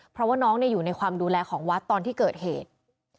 เพราะว่าน้องอยู่ในความดูแลของวัดตอนที่เกิดเหตุ